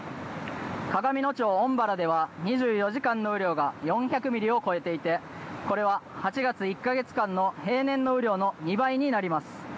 鏡野町恩原では２４時間の雨量が４００ミリを超えていて、これは８月１か月間の平年の雨量の２倍になります。